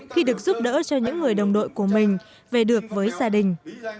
khi được giúp đỡ cho những người đồng đội của mình về được với gia đình